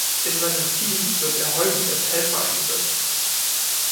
In seinem Team wird er häufig als Helfer eingesetzt.